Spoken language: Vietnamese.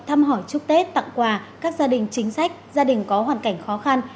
thăm hỏi chúc tết tặng quà các gia đình chính sách gia đình có hoàn cảnh khó khăn